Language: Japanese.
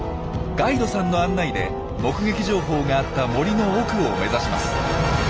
ガイドさんの案内で目撃情報があった森の奥を目指します。